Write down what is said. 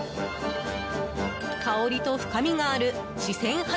香りと深みがある四川花